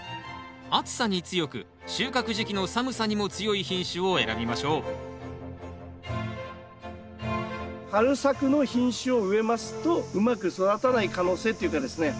暑さに強く収穫時期の寒さにも強い品種を選びましょう春作の品種を植えますとうまく育たない可能性っていうかですね